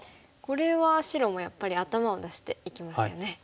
これは白もやっぱり頭を出していきますよね。